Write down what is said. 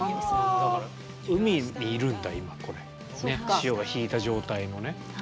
潮が引いた状態のね。